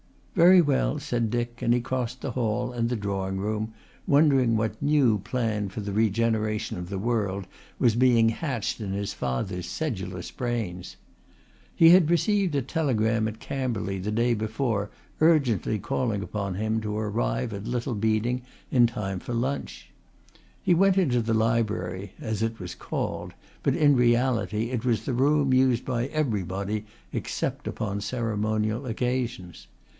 "Very well," said Dick, and he crossed the hall and the drawing room, wondering what new plan for the regeneration of the world was being hatched in his father's sedulous brains. He had received a telegram at Camberley the day before urgently calling upon him to arrive at Little Beeding in time for luncheon. He went into the library as it was called, but in reality it was the room used by everybody except upon ceremonial occasions.